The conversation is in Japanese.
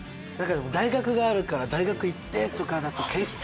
大学があるから、大学も行ってとかだと結構。